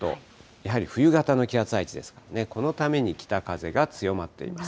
やはり冬型の気圧配置ですから、このために北風が強まっています。